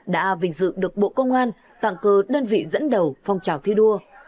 đã vình dự được bộ công an tặng cờ đơn vị dẫn đầu phong trào thi đua